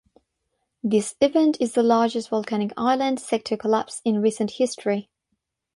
This event is the largest volcanic island sector collapse in recent history.